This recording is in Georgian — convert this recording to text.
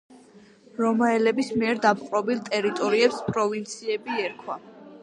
რომაელების მიერ დაპყრობილ ტერიტორიებს პროვინციები ერქვა.